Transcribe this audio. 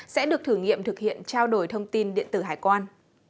sẽ được thử nghiệm thực hiện trao đổi thông tin